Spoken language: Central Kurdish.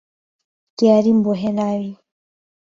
دیاریم بۆ هێناوی